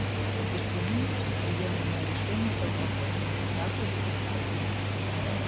Убеждены, что приемлемое решение этого вопроса также будет найдено.